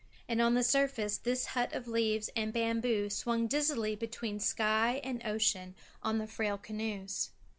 And on the surface this hut of leaves and bamboo swung dizzily between sky and ocean on the frail canoes.